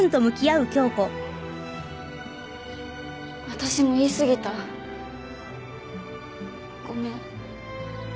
私も言い過ぎたごめん。